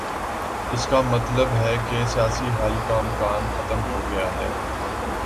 اس کا مطلب ہے کہ سیاسی حل کا امکان ختم ہو گیا ہے۔